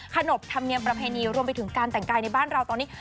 ขนบธรรมเนียมประเพณีรวมไปถึงการแต่งกายในบ้านเราตอนนี้